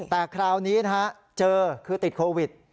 แต่คราวนี้นะฮะเจอคือติดโควิด